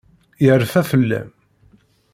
Yerfa fell-am.